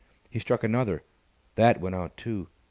He struck another. That went out, too.